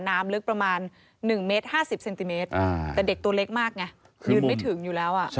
น้ำลึกประมาณ๑เมตร๕๐เซนติเมตรแต่เด็กตัวเล็กมากไงยืนไม่ถึงอยู่แล้ว